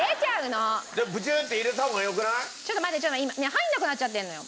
入らなくなっちゃってるのよ